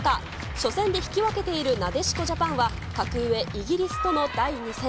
初戦で引き分けているなでしこジャパンは、格上、イギリスとの第２戦。